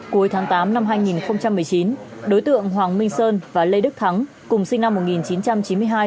cuối tháng tám năm hai nghìn một mươi chín đối tượng hoàng minh sơn và lê đức thắng cùng sinh năm một nghìn chín trăm chín mươi hai